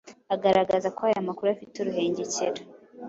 agaragaza ko aya makuru afite uruhengekero